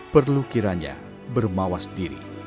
perlu kiranya bermawas diri